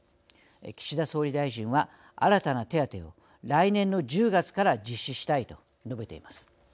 岸田総理大臣は新たな手当てを来年の１０月から実施したいと述べています。